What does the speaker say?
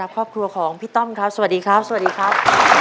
ขอบคุณครับ